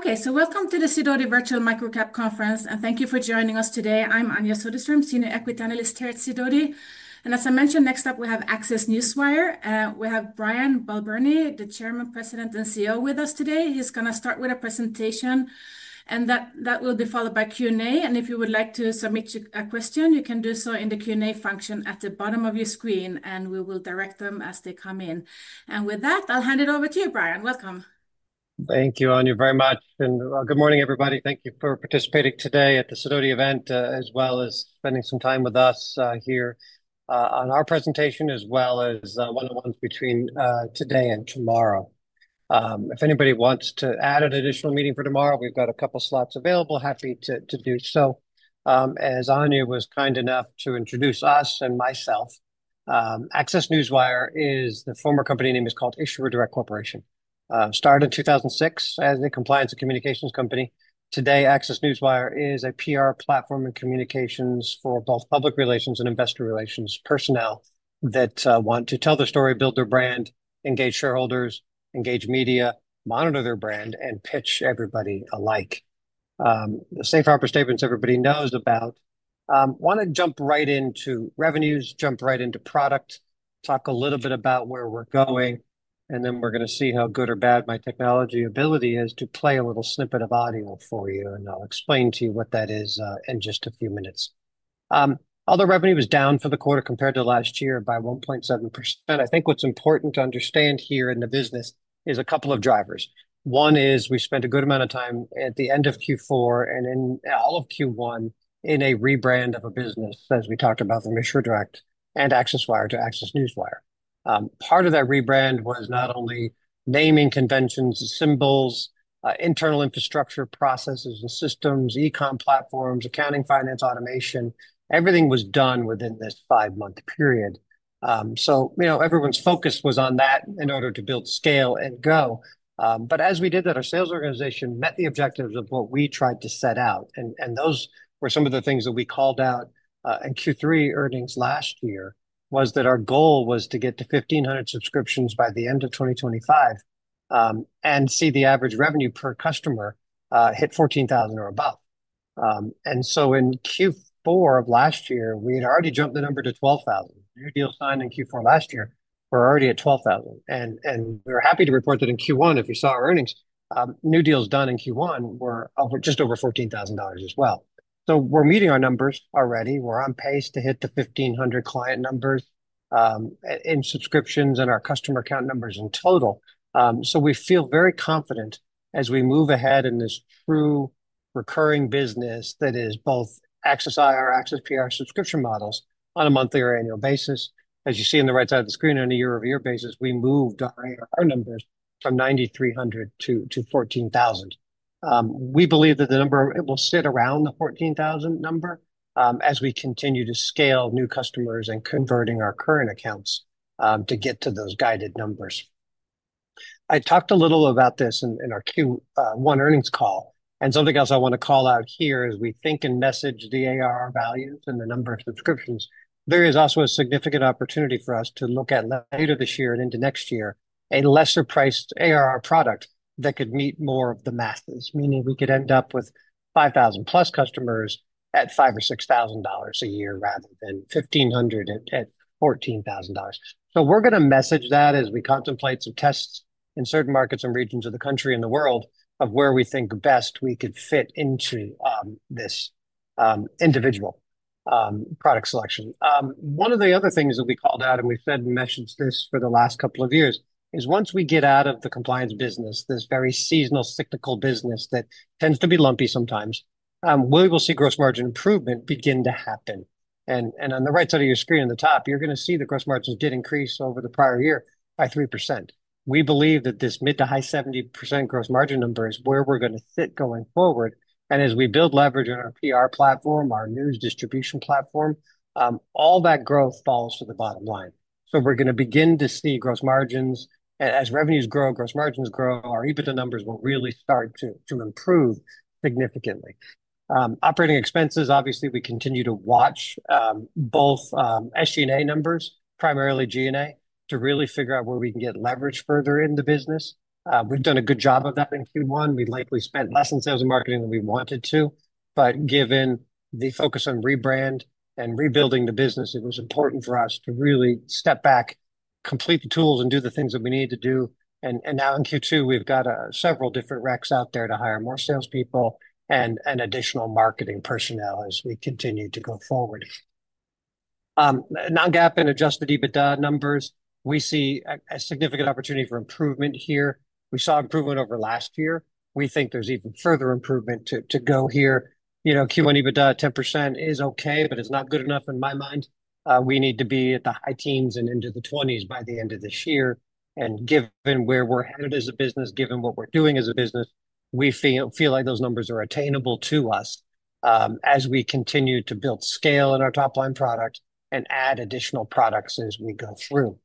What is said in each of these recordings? Okay, so welcome to the Sidoti Virtual Microcap Conference, and thank you for joining us today. I'm Anja Soderstrom, Senior Equity Analyst here at Sidoti. As I mentioned, next up we have ACCESS Newswire. We have Brian Balbirnie, the Chairman, President, and CEO with us today. He's going to start with a presentation, and that will be followed by Q&A. If you would like to submit a question, you can do so in the Q&A function at the bottom of your screen, and we will direct them as they come in. With that, I'll hand it over to you, Brian. Welcome. Thank you, Anja, very much. Good morning, everybody. Thank you for participating today at the Sidoti event, as well as spending some time with us here on our presentation, as well as one-on-ones between today and tomorrow. If anybody wants to add an additional meeting for tomorrow, we have got a couple of slots available. Happy to do so. As Anja was kind enough to introduce us and myself, ACCESS Newswire is the former company name is called Issuer Direct Corporation. Started in 2006 as a compliance and communications company. Today, ACCESS Newswire is a PR platform and communications for both public relations and investor relations personnel that want to tell their story, build their brand, engage shareholders, engage media, monitor their brand, and pitch everybody alike. The safe harbor statements everybody knows about. Want to jump right into revenues, jump right into product, talk a little bit about where we're going, and then we're going to see how good or bad my technology ability is to play a little snippet of audio for you, and I'll explain to you what that is in just a few minutes. Although revenue was down for the quarter compared to last year by 1.7%, I think what's important to understand here in the business is a couple of drivers. One is we spent a good amount of time at the end of Q4 and in all of Q1 in a rebrand of a business, as we talked about from Issuer Direct and ACCESS Wire to ACCESS Newswire. Part of that rebrand was not only naming conventions, symbols, internal infrastructure, processes and systems, e-com platforms, accounting, finance, automation, everything was done within this five-month period. Everyone's focus was on that in order to build scale and go. As we did that, our sales organization met the objectives of what we tried to set out. Those were some of the things that we called out in Q3 earnings last year, that our goal was to get to 1,500 subscriptions by the end of 2025 and see the average revenue per customer hit $14,000 or above. In Q4 of last year, we had already jumped the number to $12,000. New deals signed in Q4 last year were already at $12,000. We're happy to report that in Q1, if you saw our earnings, new deals done in Q1 were just over $14,000 as well. We're meeting our numbers already. We're on pace to hit the 1,500 client numbers in subscriptions and our customer account numbers in total. We feel very confident as we move ahead in this true recurring business that is both ACCESS IR, ACCESS PR subscription models on a monthly or annual basis. As you see on the right side of the screen, on a year-over-year basis, we moved our numbers from 9,300 to 14,000. We believe that the number will sit around the 14,000 number as we continue to scale new customers and converting our current accounts to get to those guided numbers. I talked a little about this in our Q1 earnings call. Something else I want to call out here is we think and message the ARR values and the number of subscriptions. There is also a significant opportunity for us to look at later this year and into next year, a lesser-priced ARR product that could meet more of the masses, meaning we could end up with +5,000 customers at $5,000 or $6,000 a year rather than 1,500 at $14,000. We are going to message that as we contemplate some tests in certain markets and regions of the country and the world of where we think best we could fit into this individual product selection. One of the other things that we called out, and we've said and mentioned this for the last couple of years, is once we get out of the compliance business, this very seasonal, cyclical business that tends to be lumpy sometimes, we will see gross margin improvement begin to happen. On the right side of your screen at the top, you're going to see the gross margins did increase over the prior year by 3%. We believe that this mid to high 70% gross margin number is where we're going to sit going forward. As we build leverage in our PR platform, our news distribution platform, all that growth falls to the bottom line. We are going to begin to see gross margins, and as revenues grow, gross margins grow, our EBITDA numbers will really start to improve significantly. Operating expenses, obviously, we continue to watch both SG&A numbers, primarily G&A, to really figure out where we can get leverage further in the business. We've done a good job of that in Q1. We likely spent less in sales and marketing than we wanted to. Given the focus on rebrand and rebuilding the business, it was important for us to really step back, complete the tools, and do the things that we need to do. Now in Q2, we've got several different recs out there to hire more salespeople and additional marketing personnel as we continue to go forward. Non-GAAP and adjusted EBITDA numbers, we see a significant opportunity for improvement here. We saw improvement over last year. We think there's even further improvement to go here. Q1 EBITDA at 10% is okay, but it's not good enough in my mind. We need to be at the high teens and into the 20s by the end of this year. Given where we're headed as a business, given what we're doing as a business, we feel like those numbers are attainable to us as we continue to build scale in our top-line product and add additional products as we go through.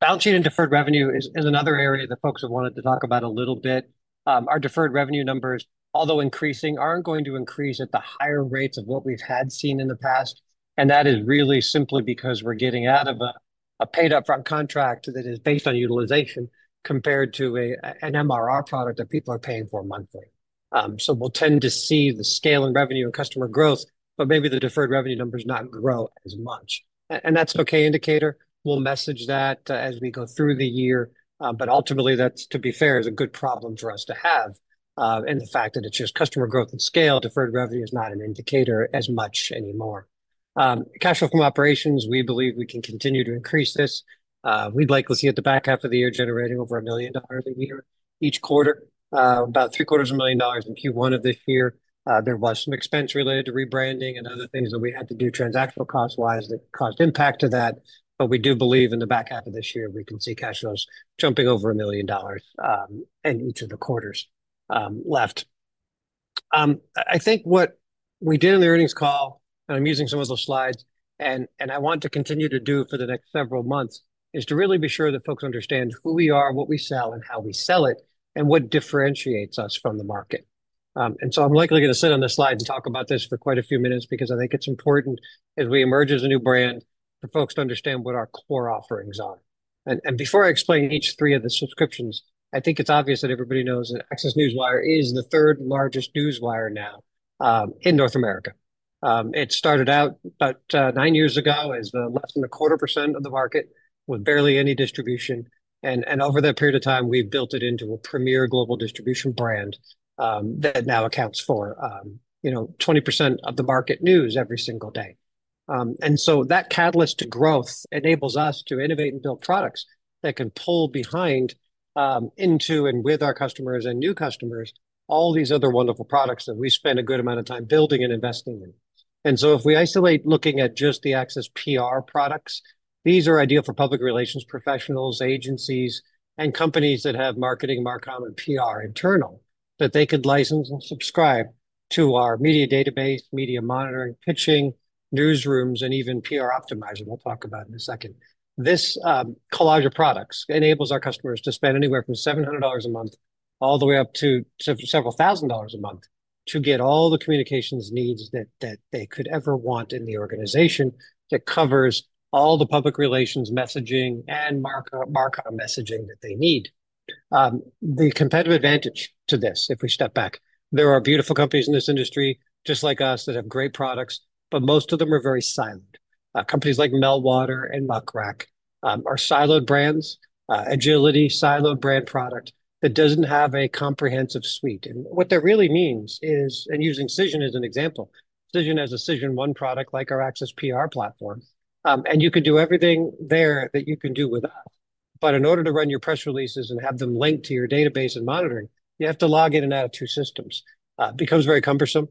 Balance sheet and deferred revenue is another area that folks have wanted to talk about a little bit. Our deferred revenue numbers, although increasing, aren't going to increase at the higher rates of what we've had seen in the past. That is really simply because we're getting out of a paid upfront contract that is based on utilization compared to an MRR product that people are paying for monthly. We'll tend to see the scale in revenue and customer growth, but maybe the deferred revenue numbers not grow as much. That's an okay indicator. We'll message that as we go through the year. Ultimately, that, to be fair, is a good problem for us to have. The fact that it's just customer growth and scale, deferred revenue is not an indicator as much anymore. Cash flow from operations, we believe we can continue to increase this. We'd like to see at the back half of the year generating over $1 million a year each quarter, about $750,000 in Q1 of this year. There was some expense related to rebranding and other things that we had to do transactional cost-wise that caused impact to that. We do believe in the back half of this year, we can see cash flows jumping over $1 million in each of the quarters left. I think what we did in the earnings call, and I'm using some of those slides, and I want to continue to do for the next several months, is to really be sure that folks understand who we are, what we sell, and how we sell it, and what differentiates us from the market. I'm likely going to sit on the slides and talk about this for quite a few minutes because I think it's important as we emerge as a new brand for folks to understand what our core offerings are. Before I explain each three of the subscriptions, I think it's obvious that everybody knows that ACCESS Newswire is the third largest newswire now in North America. It started out about nine years ago as less than a quarter percent of the market with barely any distribution. Over that period of time, we've built it into a premier global distribution brand that now accounts for 20% of the market news every single day. That catalyst to growth enables us to innovate and build products that can pull behind into and with our customers and new customers all these other wonderful products that we spend a good amount of time building and investing in. If we isolate looking at just the ACCESS PR products, these are ideal for public relations professionals, agencies, and companies that have marketing, marcom, and PR internal that they could license and subscribe to our media database, media monitoring, pitching, newsrooms, and even PR Optimizer. We'll talk about it in a second. This collage of products enables our customers to spend anywhere from $700 a month all the way up to several thousand dollars a month to get all the communications needs that they could ever want in the organization that covers all the public relations, messaging, and marcom messaging that they need. The competitive advantage to this, if we step back, there are beautiful companies in this industry just like us that have great products, but most of them are very siloed. Companies like Meltwater and Muck Rack are siloed brands, Agility siloed brand product that does not have a comprehensive suite. What that really means is, and using Cision as an example, Cision has a CisionOne product like our ACCESS PR platform, and you can do everything there that you can do with us. In order to run your press releases and have them linked to your database and monitoring, you have to log in and out of two systems. It becomes very cumbersome,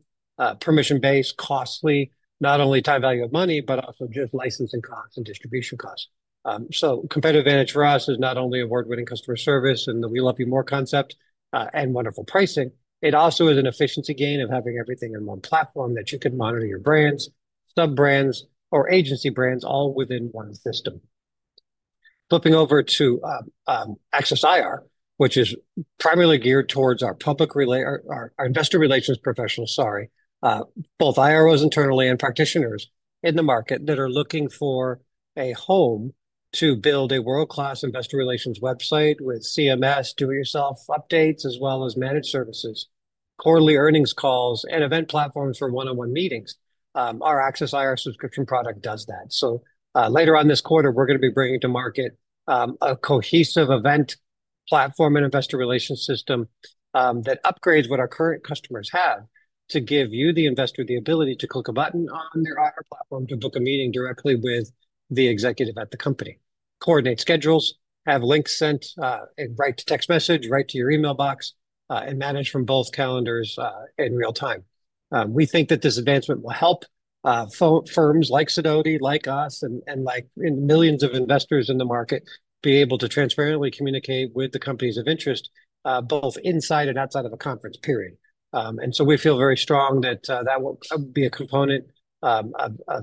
permission-based, costly, not only time value of money, but also just licensing costs and distribution costs. Competitive advantage for us is not only award-winning customer service and the "We Love You More" concept and wonderful pricing. It also is an efficiency gain of having everything in one platform that you can monitor your brands, sub-brands, or agency brands all within one system. Flipping over to ACCESS IR, which is primarily geared towards our investor relations professionals, sorry, both IROs internally and practitioners in the market that are looking for a home to build a world-class investor relations website with CMS, do-it-yourself updates, as well as managed services, quarterly earnings calls, and event platforms for one-on-one meetings. Our ACCESS IR subscription product does that. Later on this quarter, we're going to be bringing to market a cohesive event platform and investor relations system that upgrades what our current customers have to give you, the investor, the ability to click a button on their IR platform to book a meeting directly with the executive at the company, coordinate schedules, have links sent right to text message, right to your email box, and manage from both calendars in real time. We think that this advancement will help firms like Sidoti, like us, and like millions of investors in the market be able to transparently communicate with the companies of interest both inside and outside of a conference period. We feel very strong that that will be a component of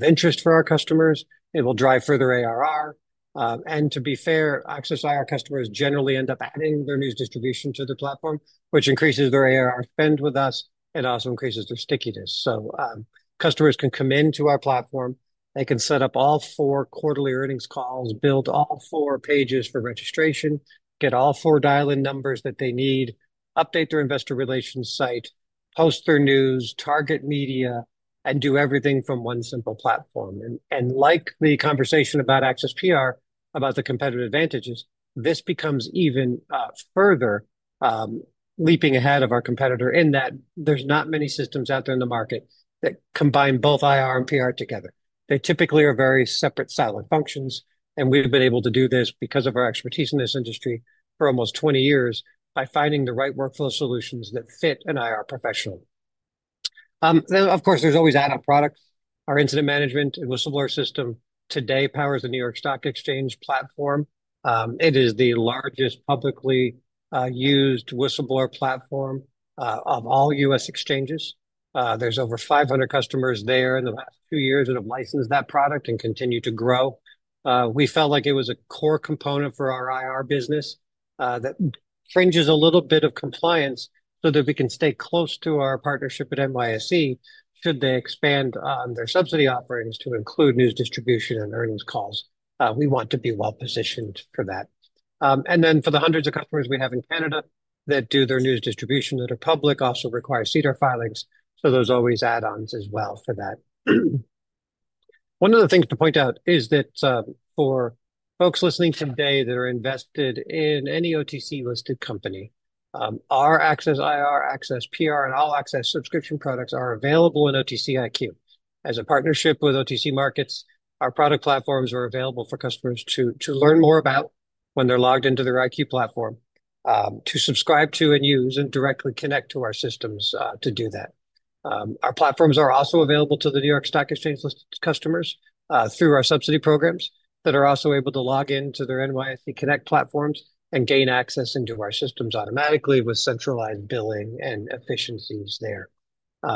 interest for our customers. It will drive further ARR. To be fair, ACCESS IR customers generally end up adding their news distribution to the platform, which increases their ARR spend with us and also increases their stickiness. Customers can come into our platform. They can set up all four quarterly earnings calls, build all four pages for registration, get all four dial-in numbers that they need, update their investor relations site, post their news, target media, and do everything from one simple platform. Like the conversation about ACCESS PR, about the competitive advantages, this becomes even further leaping ahead of our competitor in that there's not many systems out there in the market that combine both IR and PR together. They typically are very separate siloed functions. We've been able to do this because of our expertise in this industry for almost 20 years by finding the right workflow solutions that fit an IR professional. Of course, there's always add-on products. Our Incident Management and Whistleblower System today powers the New York Stock Exchange platform. It is the largest publicly used whistleblower platform of all U.S. exchanges. There's over 500 customers there in the last two years that have licensed that product and continue to grow. We felt like it was a core component for our IR business that fringes a little bit of compliance so that we can stay close to our partnership at NYSE should they expand their subsidy offerings to include news distribution and earnings calls. We want to be well-positioned for that. For the hundreds of customers we have in Canada that do their news distribution that are public, they also require SEDAR filings. There's always add-ons as well for that. One of the things to point out is that for folks listening today that are invested in any OTC-listed company, our ACCESS IR, ACCESS PR, and all ACCESS subscription products are available in OTC IQ. As a partnership with OTC Markets, our product platforms are available for customers to learn more about when they're logged into their IQ platform, to subscribe to and use and directly connect to our systems to do that. Our platforms are also available to the New York Stock Exchange-listed customers through our subsidy programs that are also able to log into their NYSE Connect platforms and gain access into our systems automatically with centralized billing and efficiencies there.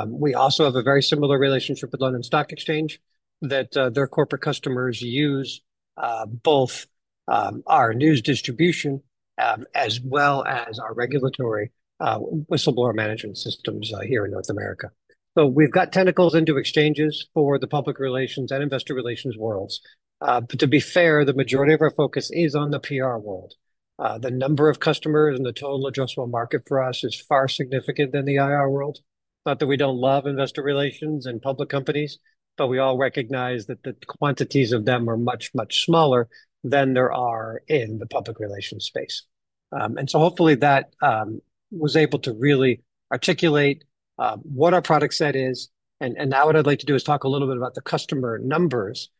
We also have a very similar relationship with London Stock Exchange that their corporate customers use both our news distribution as well as our regulatory whistleblower management systems here in North America. We've got tentacles into exchanges for the public relations and investor relations worlds. To be fair, the majority of our focus is on the PR world. The number of customers in the total addressable market for us is far significant than the IR world. Not that we do not love investor relations and public companies, but we all recognize that the quantities of them are much, much smaller than there are in the public relations space. Hopefully that was able to really articulate what our product set is. Now what I'd like to do is talk a little bit about the customer numbers,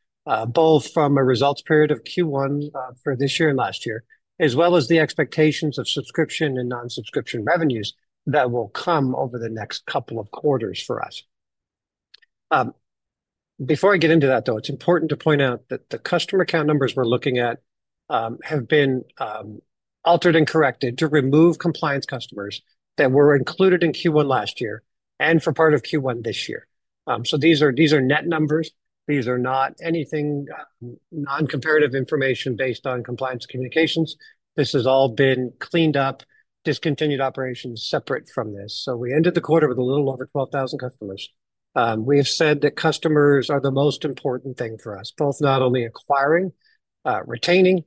both from a results period of Q1 for this year and last year, as well as the expectations of subscription and non-subscription revenues that will come over the next couple of quarters for us. Before I get into that, though, it's important to point out that the customer count numbers we're looking at have been altered and corrected to remove compliance customers that were included in Q1 last year and for part of Q1 this year. So these are net numbers. These are not anything non-comparative information based on compliance communications. This has all been cleaned up, discontinued operations separate from this. We ended the quarter with a little over 12,000 customers. We have said that customers are the most important thing for us, both not only acquiring, retaining,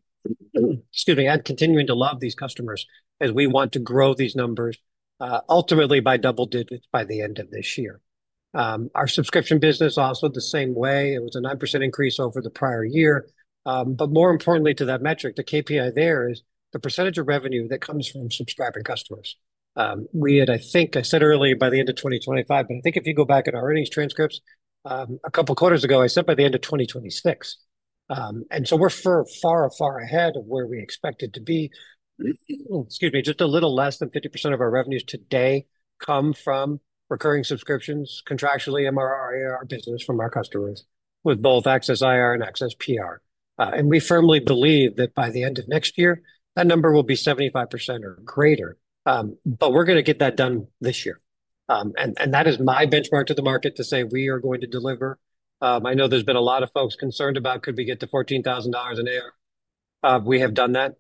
excuse me, and continuing to love these customers as we want to grow these numbers ultimately by double digits by the end of this year. Our subscription business also the same way. It was a 9% increase over the prior year. More importantly to that metric, the KPI there is the percentage of revenue that comes from subscribing customers. I think I said earlier by the end of 2025, but I think if you go back at our earnings transcripts a couple of quarters ago, I said by the end of 2026. We are far, far, far ahead of where we expected to be. Excuse me, just a little less than 50% of our revenues today come from recurring subscriptions, contractually MRR, ARR business from our customers with both ACCESS IR and ACCESS PR. We firmly believe that by the end of next year, that number will be 75% or greater. We are going to get that done this year. That is my benchmark to the market to say we are going to deliver. I know there's been a lot of folks concerned about, could we get to $14,000 in ARR? We have done that.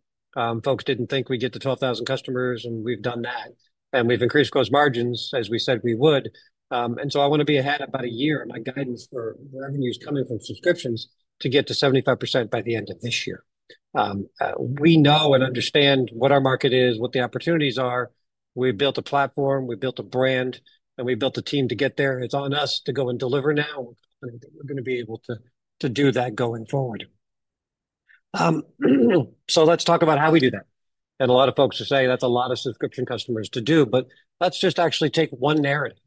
Folks didn't think we'd get to 12,000 customers, and we've done that. And we've increased gross margins as we said we would. I want to be ahead about a year in my guidance for revenues coming from subscriptions to get to 75% by the end of this year. We know and understand what our market is, what the opportunities are. We've built a platform, we've built a brand, and we've built a team to get there. It's on us to go and deliver now. We're going to be able to do that going forward. Let's talk about how we do that. A lot of folks are saying that's a lot of subscription customers to do, but let's just actually take one narrative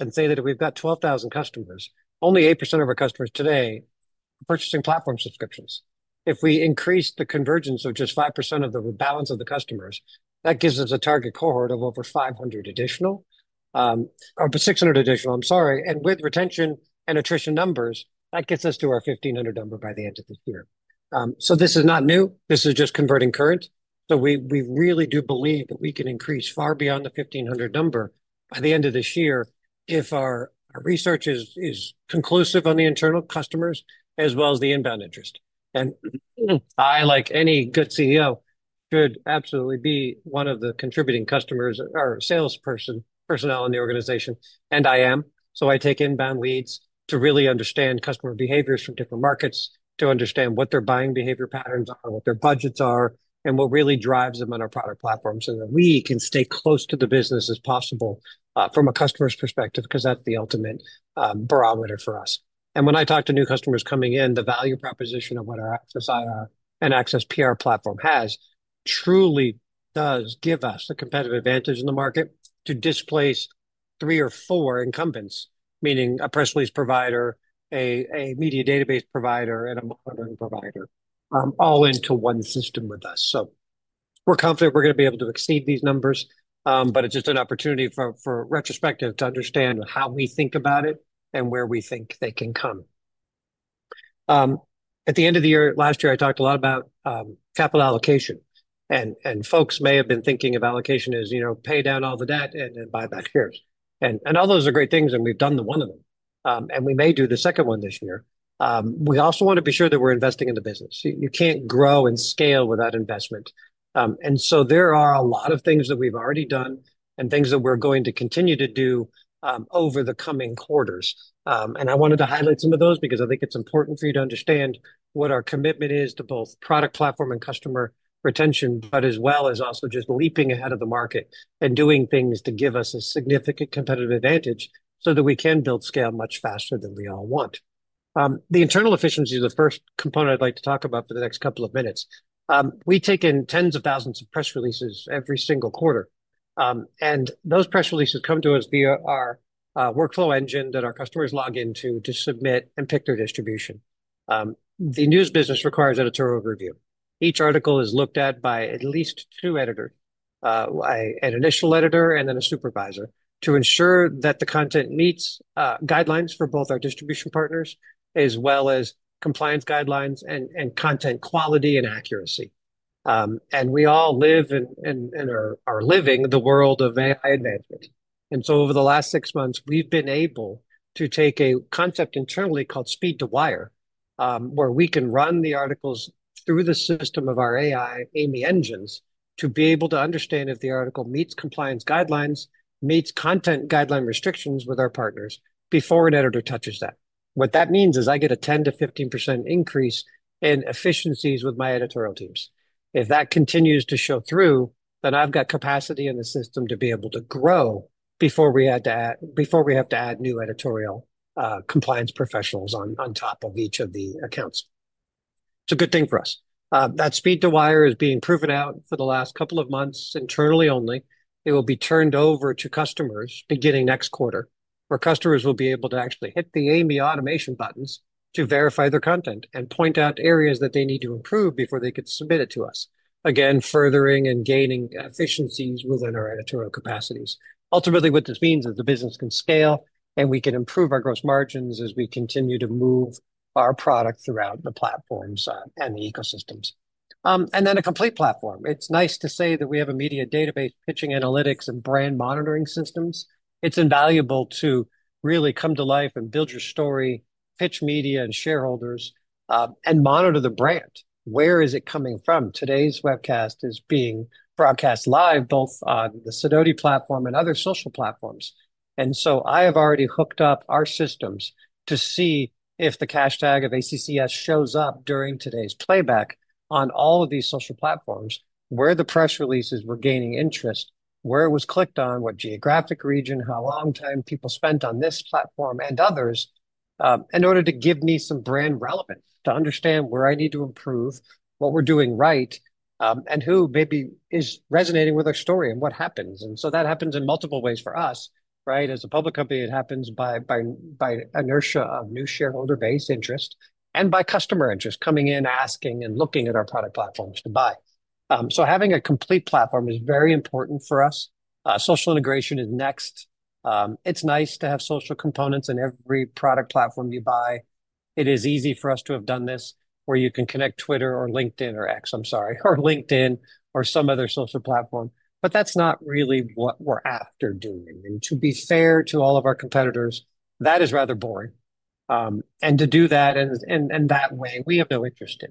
and say that if we've got 12,000 customers, only 8% of our customers today are purchasing platform subscriptions. If we increase the convergence of just 5% of the balance of the customers, that gives us a target cohort of over 500 additional, or 600 additional, I'm sorry. With retention and attrition numbers, that gets us to our 1,500 number by the end of this year. This is not new. This is just converting current. We really do believe that we can increase far beyond the 1,500 number by the end of this year if our research is conclusive on the internal customers as well as the inbound interest. I, like any good CEO, should absolutely be one of the contributing customers or salesperson personnel in the organization. I am. I take inbound leads to really understand customer behaviors from different markets, to understand what their buying behavior patterns are, what their budgets are, and what really drives them on our product platform so that we can stay close to the business as possible from a customer's perspective because that's the ultimate barometer for us. When I talk to new customers coming in, the value proposition of what our ACCESS IR and ACCESS PR platform has truly does give us a competitive advantage in the market to displace three or four incumbents, meaning a press release provider, a media database provider, and a monitoring provider all into one system with us. We're confident we're going to be able to exceed these numbers, but it's just an opportunity for retrospective to understand how we think about it and where we think they can come. At the end of the year, last year, I talked a lot about capital allocation. Folks may have been thinking of allocation as pay down all the debt and then buy back shares. All those are great things, and we've done one of them. We may do the second one this year. We also want to be sure that we're investing in the business. You can't grow and scale without investment. There are a lot of things that we've already done and things that we're going to continue to do over the coming quarters. I wanted to highlight some of those because I think it's important for you to understand what our commitment is to both product platform and customer retention, but as well as also just leaping ahead of the market and doing things to give us a significant competitive advantage so that we can build scale much faster than we all want. The internal efficiency is the first component I'd like to talk about for the next couple of minutes. We take in tens of thousands of press releases every single quarter. Those press releases come to us via our workflow engine that our customers log into to submit and pick their distribution. The news business requires editorial review. Each article is looked at by at least two editors, an initial editor and then a supervisor, to ensure that the content meets guidelines for both our distribution partners as well as compliance guidelines and content quality and accuracy. We all live and are living the world of AI advancement. Over the last six months, we've been able to take a concept internally called Speed to Wire, where we can run the articles through the system of our AI AMI engines to be able to understand if the article meets compliance guidelines, meets content guideline restrictions with our partners before an editor touches that. What that means is I get a 10%-15% increase in efficiencies with my editorial teams. If that continues to show through, then I've got capacity in the system to be able to grow before we have to add new editorial compliance professionals on top of each of the accounts. It's a good thing for us. That Speed to Wire is being proven out for the last couple of months internally only. It will be turned over to customers beginning next quarter, where customers will be able to actually hit the AMI automation buttons to verify their content and point out areas that they need to improve before they could submit it to us, again, furthering and gaining efficiencies within our editorial capacities. Ultimately, what this means is the business can scale and we can improve our gross margins as we continue to move our product throughout the platforms and the ecosystems. A complete platform. It's nice to say that we have a media database, pitching analytics, and brand monitoring systems. It's invaluable to really come to life and build your story, pitch media and shareholders, and monitor the brand. Where is it coming from? Today's webcast is being broadcast live, both on the Sidoti platform and other social platforms. I have already hooked up our systems to see if the cashtag of ACCS shows up during today's playback on all of these social platforms, where the press releases were gaining interest, where it was clicked on, what geographic region, how long time people spent on this platform and others, in order to give me some brand relevance to understand where I need to improve, what we're doing right, and who maybe is resonating with our story and what happens. That happens in multiple ways for us, right? As a public company, it happens by inertia of new shareholder base interest and by customer interest coming in, asking and looking at our product platforms to buy. Having a complete platform is very important for us. Social integration is next. It's nice to have social components in every product platform you buy. It is easy for us to have done this where you can connect Twitter or LinkedIn or X, I'm sorry, or LinkedIn or some other social platform, but that's not really what we're after doing. To be fair to all of our competitors, that is rather boring. To do that in that way, we have no interest in.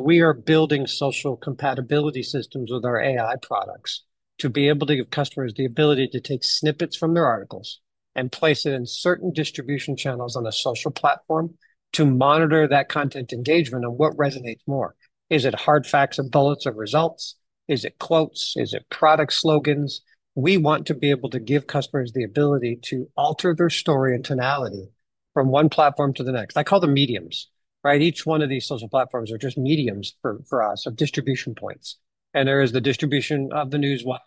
We are building social compatibility systems with our AI products to be able to give customers the ability to take snippets from their articles and place it in certain distribution channels on a social platform to monitor that content engagement and what resonates more. Is it hard facts and bullets of results? Is it quotes? Is it product slogans? We want to be able to give customers the ability to alter their story and tonality from one platform to the next. I call them mediums, right? Each one of these social platforms are just mediums for us of distribution points. There is the distribution of the news wire,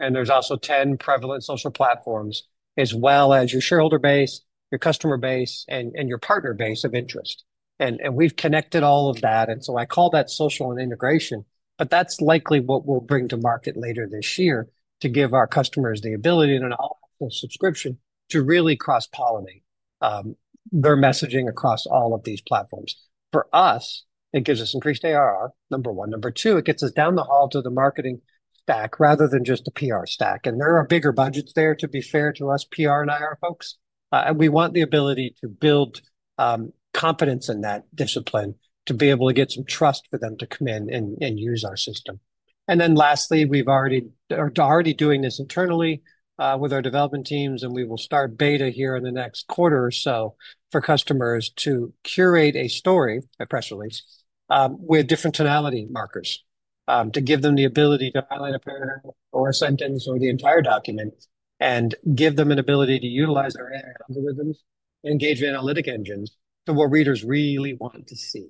and there are also 10 prevalent social platforms, as well as your shareholder base, your customer base, and your partner base of interest. We have connected all of that. I call that social and integration, but that's likely what we'll bring to market later this year to give our customers the ability and an all-access subscription to really cross-pollinate their messaging across all of these platforms. For us, it gives us increased ARR, number one. Number two, it gets us down the hall to the marketing stack rather than just a PR stack. There are bigger budgets there, to be fair to us PR and IR folks. We want the ability to build confidence in that discipline to be able to get some trust for them to come in and use our system. Lastly, we've already been doing this internally with our development teams, and we will start beta here in the next quarter or so for customers to curate a story, a press release with different tonality markers to give them the ability to highlight a paragraph or a sentence or the entire document and give them an ability to utilize our AI algorithms and engage analytic engines to what readers really want to see.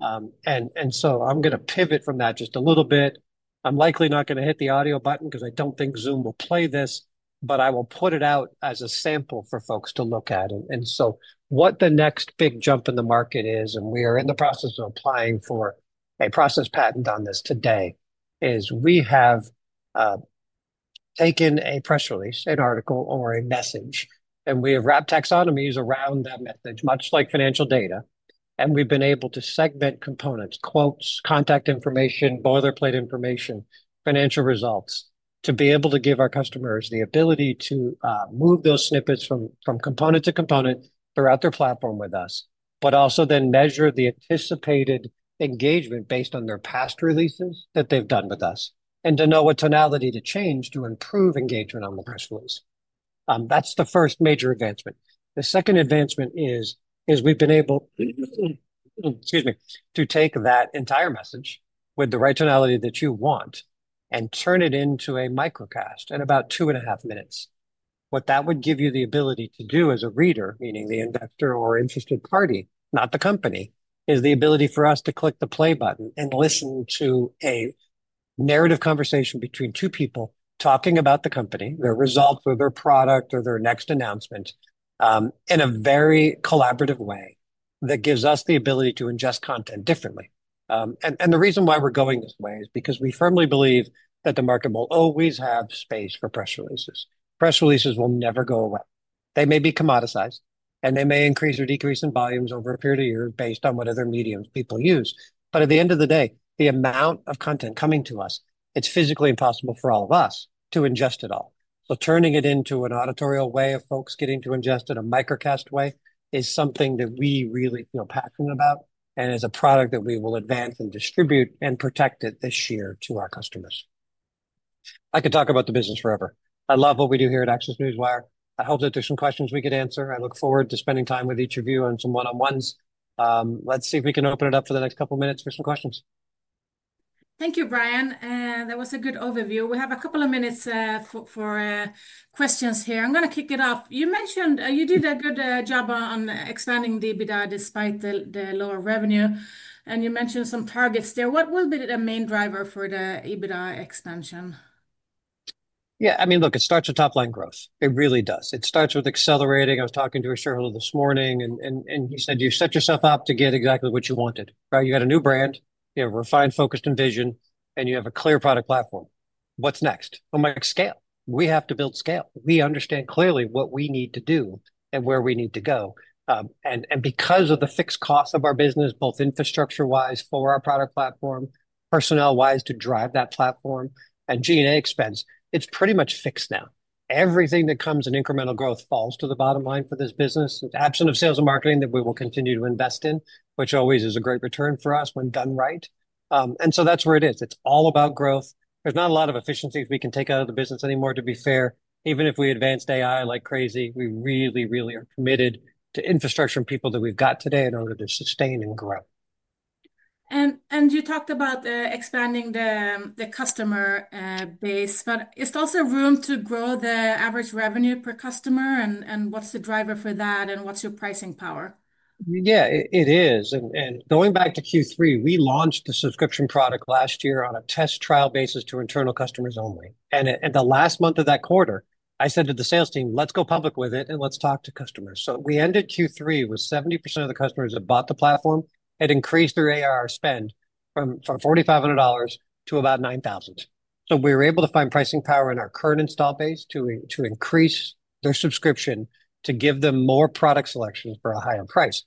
I'm going to pivot from that just a little bit. I'm likely not going to hit the audio button because I do not think Zoom will play this, but I will put it out as a sample for folks to look at. What the next big jump in the market is, and we are in the process of applying for a process patent on this today, is we have taken a press release, an article, or a message, and we have wrapped taxonomies around that message, much like financial data. We have been able to segment components, quotes, contact information, boilerplate information, financial results to be able to give our customers the ability to move those snippets from component to component throughout their platform with us, but also then measure the anticipated engagement based on their past releases that they have done with us and to know what tonality to change to improve engagement on the press release. That is the first major advancement. The second advancement is we've been able, excuse me, to take that entire message with the right tonality that you want and turn it into a microcast in about two and a half minutes. What that would give you the ability to do as a reader, meaning the investor or interested party, not the company, is the ability for us to click the play button and listen to a narrative conversation between two people talking about the company, their results or their product or their next announcement in a very collaborative way that gives us the ability to ingest content differently. The reason why we're going this way is because we firmly believe that the market will always have space for press releases. Press releases will never go away. They may be commoditized, and they may increase or decrease in volumes over a period of years based on what other mediums people use. At the end of the day, the amount of content coming to us, it's physically impossible for all of us to ingest it all. Turning it into an auditorial way of folks getting to ingest it, a microcast way, is something that we really feel passionate about and is a product that we will advance and distribute and protect this year to our customers. I could talk about the business forever. I love what we do here at ACCESS Newswire. I hope that there's some questions we could answer. I look forward to spending time with each of you on some one-on-ones. Let's see if we can open it up for the next couple of minutes for some questions. Thank you, Brian. That was a good overview. We have a couple of minutes for questions here. I'm going to kick it off. You mentioned you did a good job on expanding the EBITDA despite the lower revenue. You mentioned some targets there. What will be the main driver for the EBITDA expansion? Yeah, I mean, look, it starts with top-line growth. It really does. It starts with accelerating. I was talking to a shareholder this morning, and he said, "You set yourself up to get exactly what you wanted, right? You got a new brand, you have a refined, focused envision, and you have a clear product platform. What's next?" My scale. We have to build scale. We understand clearly what we need to do and where we need to go. Because of the fixed costs of our business, both infrastructure-wise for our product platform, personnel-wise to drive that platform, and G&A expense, it's pretty much fixed now. Everything that comes in incremental growth falls to the bottom line for this business. It's absent of sales and marketing that we will continue to invest in, which always is a great return for us when done right. That's where it is. It's all about growth. There's not a lot of efficiencies we can take out of the business anymore, to be fair. Even if we advanced AI like crazy, we really, really are committed to infrastructure and people that we've got today in order to sustain and grow. You talked about expanding the customer base, but is there also room to grow the average revenue per customer? What's the driver for that? What's your pricing power? Yeah, it is. Going back to Q3, we launched the subscription product last year on a test trial basis to internal customers only. In the last month of that quarter, I said to the sales team, "Let's go public with it and let's talk to customers." We ended Q3 with 70% of the customers that bought the platform. It increased their ARR spend from $4,500 to about $9,000. We were able to find pricing power in our current install base to increase their subscription to give them more product selections for a higher price.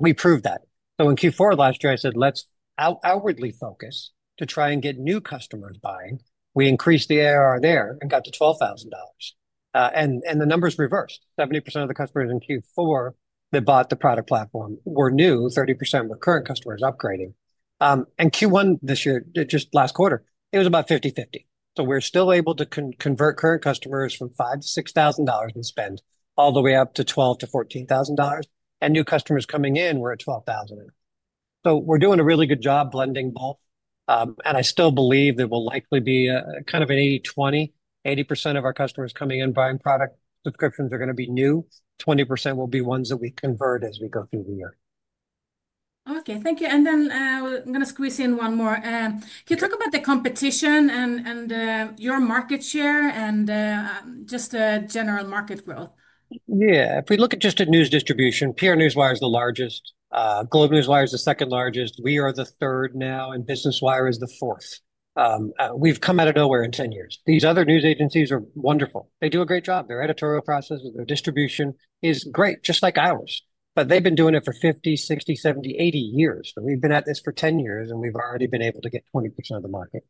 We proved that. In Q4 last year, I said, "Let's outwardly focus to try and get new customers buying." We increased the ARR there and got to $12,000. The numbers reversed. 70% of the customers in Q4 that bought the product platform were new. 30% were current customers upgrading. Q1 this year, just last quarter, it was about 50/50. We're still able to convert current customers from $5,000-$6,000 in spend all the way up to $12,000-$14,000. New customers coming in were at $12,000. We're doing a really good job blending both. I still believe there will likely be kind of an 80/20. 80% of our customers coming in buying product subscriptions are going to be new. 20% will be ones that we convert as we go through the year. Okay, thank you. I'm going to squeeze in one more. Can you talk about the competition and your market share and just general market growth? Yeah, if we look at just at news distribution, PR Newswire is the largest. GlobeNewswire is the second largest. We are the third now, and Business Wire is the fourth. We've come out of nowhere in 10 years. These other news agencies are wonderful. They do a great job. Their editorial processes, their distribution is great, just like ours. They've been doing it for 50, 60, 70, 80 years. We've been at this for 10 years, and we've already been able to get 20% of the market.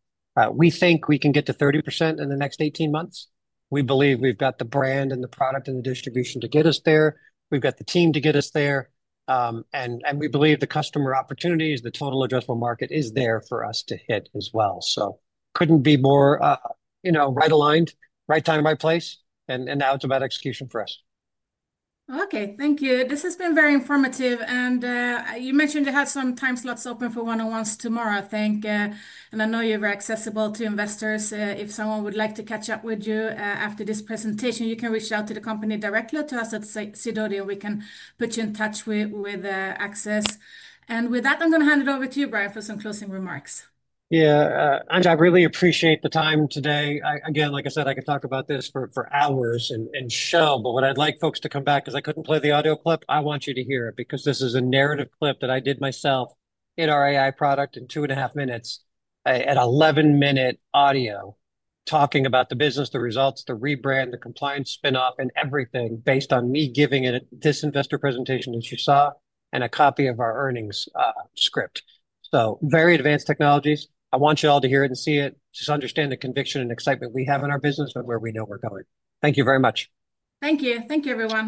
We think we can get to 30% in the next 18 months. We believe we've got the brand and the product and the distribution to get us there. We've got the team to get us there. We believe the customer opportunities, the total addressable market is there for us to hit as well. Couldn't be more right aligned, right time, right place. Now it's about execution for us. Okay, thank you. This has been very informative. You mentioned you had some time slots open for one-on-ones tomorrow. Thank you. I know you're accessible to investors. If someone would like to catch up with you after this presentation, you can reach out to the company directly or to us at Sidoti, and we can put you in touch with ACCESS. With that, I'm going to hand it over to you, Brian, for some closing remarks. Yeah, I really appreciate the time today. Again, like I said, I could talk about this for hours and show, but what I'd like folks to come back because I couldn't play the audio clip, I want you to hear it because this is a narrative clip that I did myself in our AI product in two and a half minutes at 11-minute audio talking about the business, the results, the rebrand, the compliance spinoff, and everything based on me giving this investor presentation, as you saw, and a copy of our earnings script. So very advanced technologies. I want you all to hear it and see it, just understand the conviction and excitement we have in our business and where we know we're going. Thank you very much. Thank you. Thank you, everyone.